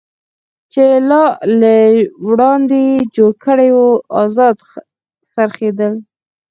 چې لا له وړاندې یې جوړ کړی و، ازاد څرخېدل.